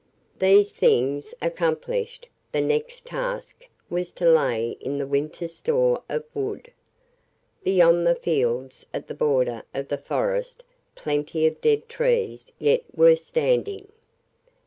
These things accomplished, the next task was to lay in the winter's store of wood. Beyond the fields, at the border of the forest plenty of dead trees yet were standing.